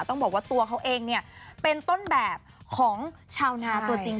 ต้องบอกว่าตัวเขาเองเนี่ยเป็นต้นแบบของชาวนาตัวจริง